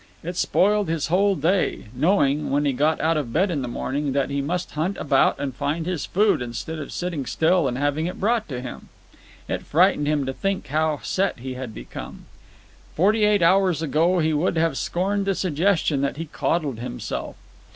It spoiled his whole day, knowing, when he got out of bed in the morning, that he must hunt about and find his food instead of sitting still and having it brought to him. It frightened him to think how set he had become. Forty eight hours ago he would have scorned the suggestion that he coddled himself.